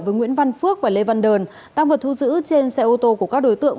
với nguyễn văn phước và lê văn đờn tăng vật thu giữ trên xe ô tô của các đối tượng